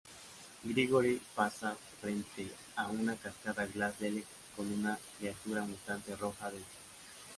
Grigory pasa frente a una carcasa Glass Dalek con una criatura mutante roja dentro.